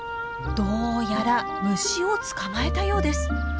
どうやら虫を捕まえたようです。